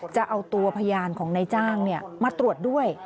จะเอาตัวพยานของนายจ้างมาตรวจด้วย